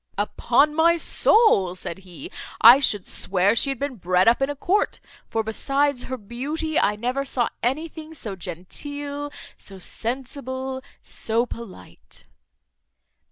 "Upon my soul," said he, "I should swear she had been bred up in a court; for besides her beauty, I never saw anything so genteel, so sensible, so polite."